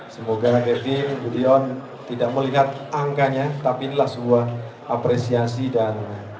semoga david dan gideon tidak melihat angkanya tapi inilah sebuah apresiasi dan